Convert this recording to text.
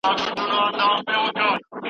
انا خپل شل شوي لاسونه د دعا لپاره خلاص کړل.